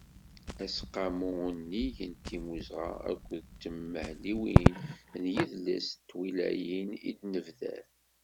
Aseqqamu unnig n timmuzɣa akked tenmehliwin n yidles n twilayin i d-nebder.